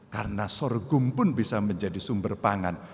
karena sorghum pun bisa menjadi sumber pangan